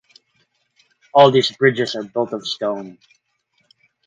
All these bridges are built of stone.